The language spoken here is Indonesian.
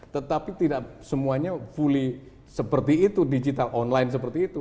tetapi tidak semuanya fully seperti itu digital online seperti itu